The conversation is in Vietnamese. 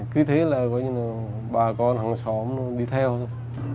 cứ thế là bà con hàng xóm đi theo thôi